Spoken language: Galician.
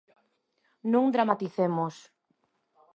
Non dramaticemos.